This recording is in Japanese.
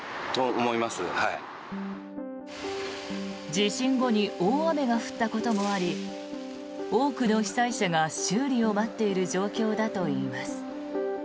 地震後に大雨が降ったこともあり多くの被災者が修理を待っている状況だといいます。